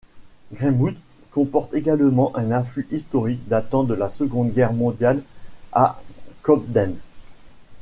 Greymouth comporte également un affût historique datant de la Seconde Guerre mondiale à Cobden.